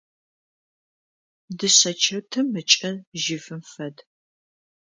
Дышъэчэтым ыкӏэ жьыфым фэд.